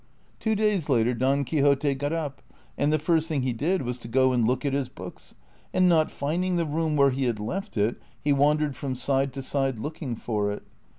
Two days later Don Quixote got up, and the first thing he did was to go and look at his books, and not finding the room where he had left it, he wandered from side to side looking for it.